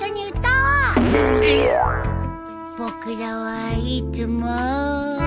「僕等はいつも」